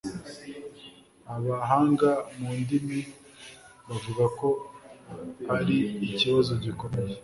abahanga mu ndimi bavuga ko ari ikibazo gikomeye